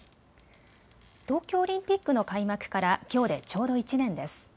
東京オリンピックの開幕からきょうでちょうど１年です。